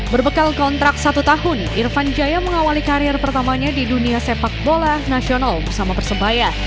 berbekal kontrak satu tahun irfan jaya mengawali karir pertamanya di dunia sepak bola nasional bersama persebaya